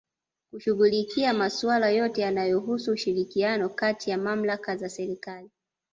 Kushughulikia masula yote yanayohusu ushirikiano kati ya Malmaka za Serikali